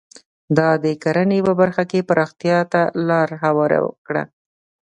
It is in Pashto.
دا د کرنې په برخه کې پراختیا ته لار هواره کړه.